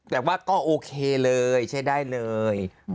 แต่ว่าก็โอเคเลยใช้ได้เลย